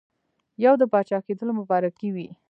یو د پاچاکېدلو مبارکي وي.